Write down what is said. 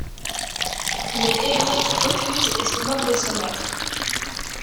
Mais Everett refuse et se moque de son Maître.